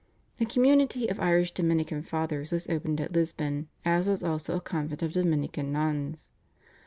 A community of Irish Dominican Fathers was opened at Lisbon, as was also a convent of Dominican Nuns.